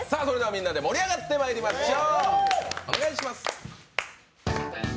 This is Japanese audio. みんなで盛り上がってまいりましょう！